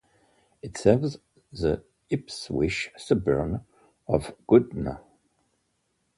It serves the Ipswich suburb of Goodna.